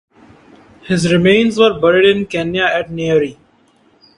His remains were buried in Kenya at Nyeri.